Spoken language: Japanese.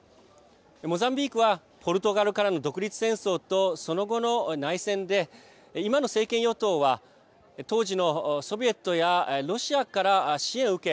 モザンビークはポルトガルからの独立戦争とその後の内戦で今の政権与党は当時のソビエトやロシアから支援を受け